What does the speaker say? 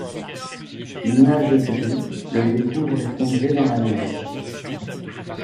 Nuage Gris le découvre effondré dans la neige.